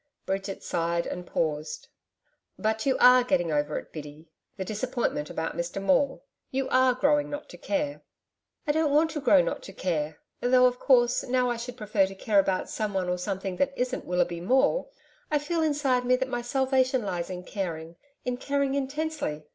Bridget sighed and paused. 'But you ARE getting over it, Biddy the disappointment about Mr Maule? You ARE growing not to care?' 'I don't want to grow not to care though, of course, now I should prefer to care about someone or something that isn't Willoughby Maule, I feel inside me that my salvation lies in caring in caring intensely....